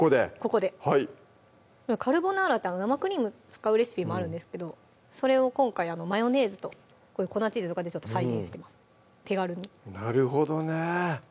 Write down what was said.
ここでカルボナーラって生クリーム使うレシピもあるんですけどそれを今回マヨネーズと粉チーズとかでちょっと再現してます手軽になるほどね